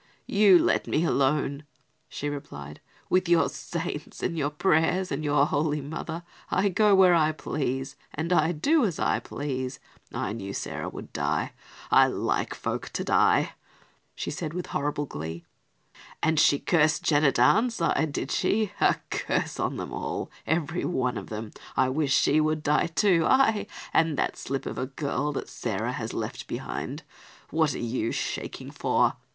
"You let me alone," she replied, "with your saints and your prayers and your Holy Mother. I go where I please and do as I please. I knew Sarah would die. I like folk to die," she said with horrible glee; "and she cursed Janet Arnside, did she? A curse on them all, every one of them. I wish she would die too; ay, and that slip of a girl that Sarah has left behind. What are you shaking for?"